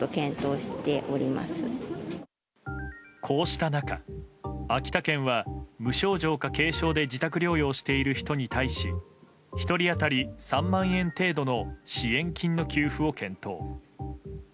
こうした中、秋田県は無症状か軽症で自宅療養している人に対し１人当たり３万円程度の支援金の給付を検討。